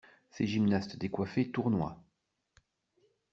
Ces gymnastes décoiffés tournoient.